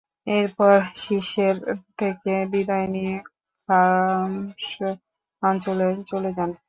এরপর শিষ্যের থেকে বিদায় নিয়ে খাম্স অঞ্চলে চলে যান।